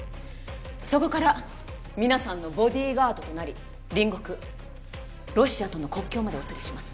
そこから皆さんのボディーガードとなり隣国ロシアとの国境までお連れします